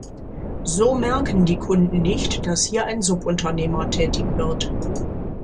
So merken die Kunden nicht, dass hier ein Subunternehmer tätig wird.